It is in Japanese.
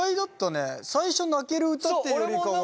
最初泣ける歌っていうよりかは。